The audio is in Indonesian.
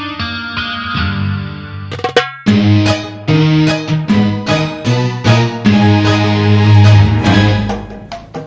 berarti bapak cari masalah